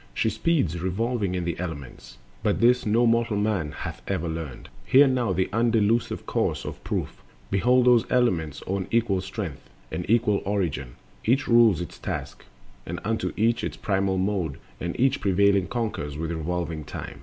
She speeds revolving in the elements, But this no mortal man hath ever learned— Hear thou the undelusive course of proof: Behold those elements own equal strength And equal origin; each rules its task; And unto each its primal mode; and each Prevailing conquers with revolving time.